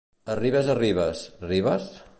Arribes a Ribes, Ribes?